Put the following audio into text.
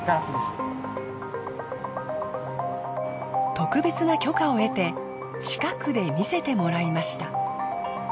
特別な許可を得て近くで見せてもらいました。